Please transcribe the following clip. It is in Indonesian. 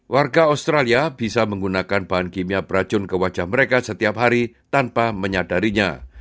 warga australia bisa menggunakan bahan kimia beracun ke wajah mereka setiap hari tanpa menyadarinya